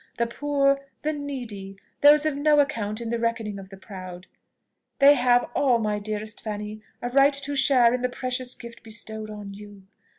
The poor, the needy, those of no account in the reckoning of the proud they have all, my dearest Fanny, a right to share in the precious gift bestowed on you.